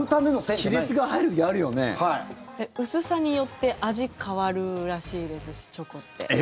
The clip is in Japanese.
薄さによって味、変わるらしいですしチョコって。